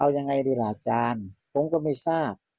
เอายังไงดีล่ะอาจารย์ผมก็ไม่ทราบ